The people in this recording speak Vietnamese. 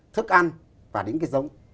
thức ăn và đến cái giống